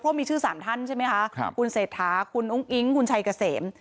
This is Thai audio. เพราะมีชื่อ๓ท่านใช่ไหมคะคุณเศรษฐาคุณอุ้งอิ๊งคุณชัยเกษม